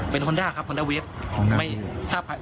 เป็นคนนาครับคนนาวิทย์